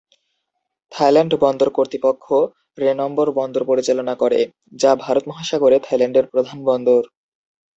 Thailand বন্দর কর্তৃপক্ষ রেনম্বর বন্দর পরিচালনা করে, যা ভারত মহাসাগরে থাইল্যান্ডের প্রধান বন্দর।